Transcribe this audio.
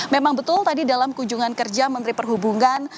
memang betul tadi dalam kunjungan kerja menteri perhubungan